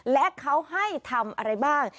และเขาให้ทำอะไรบ้าง